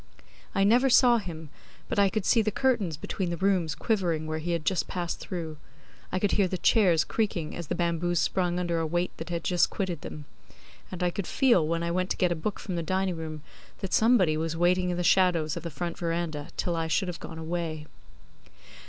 I never saw him, but I could see the curtains between the rooms quivering where he had just passed through; I could hear the chairs creaking as the bamboos sprung under a weight that had just quitted them; and I could feel when I went to get a book from the dining room that somebody was waiting in the shadows of the front verandah till I should have gone away.